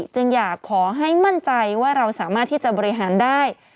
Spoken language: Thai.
จึงอยากขอให้มั่นใจว่าเราสามารถที่จะบริหารได้